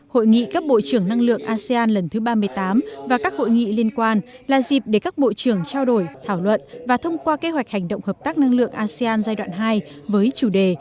hội nghị các bộ trưởng năng lượng asean lần thứ ba mươi tám và các hội nghị liên quan là dịp để các bộ trưởng trao đổi thảo luận và thông qua kế hoạch hành động hợp tác năng lượng asean giai đoạn hai với chủ đề